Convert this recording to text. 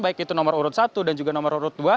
baik itu nomor urut satu dan juga nomor urut dua